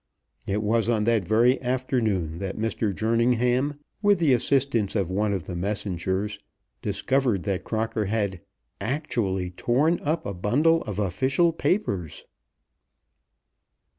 It was on that very afternoon that Mr. Jerningham, with the assistance of one of the messengers, discovered that Crocker had actually torn up a bundle of official papers!